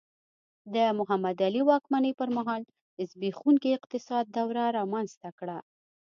د محمد علي واکمنۍ پر مهال زبېښونکي اقتصاد دوره رامنځته کړه.